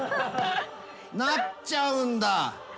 なっちゃうんだ。